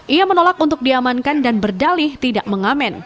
ia menolak untuk diamankan dan berdalih tidak mengamen